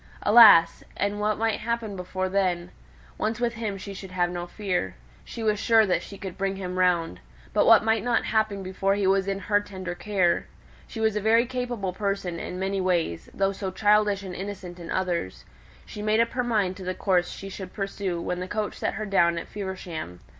Alas! and what might happen before then! Once with him she would have no fear; she was sure that she could bring him round; but what might not happen before he was in her tender care? She was a very capable person in many ways, though so childish and innocent in others. She made up her mind to the course she should pursue when the coach set her down at Feversham.